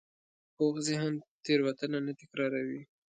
پوخ ذهن تېروتنه نه تکراروي